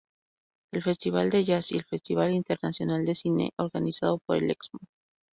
El Festival de Jazz y el Festival Internacional de Cine, organizado por el Excmo.